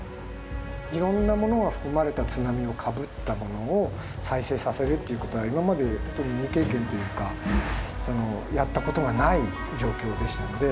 いろんなものが含まれた津波をかぶったものを再生させるということは今ままでほんとに未経験というかやったことがない状況でしたので。